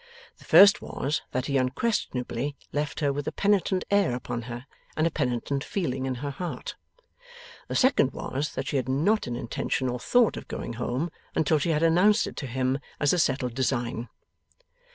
The first was, that he unquestionably left her with a penitent air upon her, and a penitent feeling in her heart. The second was, that she had not an intention or a thought of going home, until she had announced it to him as a settled design.